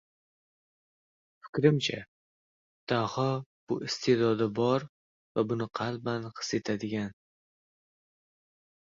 Fikrimcha, daho – bu iste’dodi bor va buni qalban his etadigan.